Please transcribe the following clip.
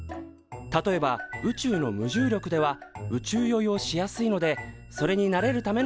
例えば宇宙の無重力では宇宙よいをしやすいのでそれに慣れるための訓練。